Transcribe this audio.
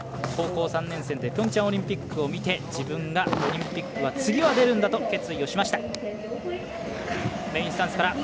高校３年生でピョンチャンオリンピックを見て自分がオリンピックは次は出るんだと決意をしました。